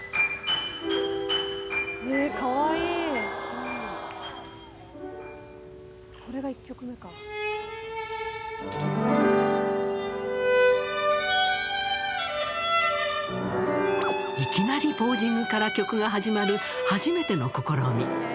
いきなりポージングから曲が始まる初めての試み。